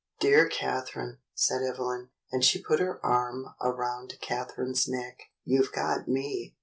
"Dear Catherine," said Evelyn, and she put her arm around Catherine's neck, "you've got me."